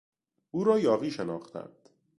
او را یاغی شناختند.